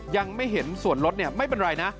ยังไม่เห็นส่วนรถไม่เป็นไรนะ